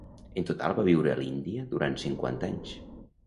En total va viure a l'Índia durant cinquanta anys.